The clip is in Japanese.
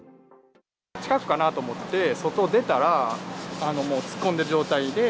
近くかなと思って、外出たら、もう突っ込んでる状態で。